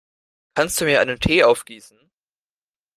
Kannst du mir einen Tee aufgießen?